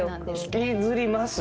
引きずりますよ。